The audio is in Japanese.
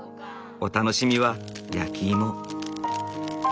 お楽しみは焼き芋。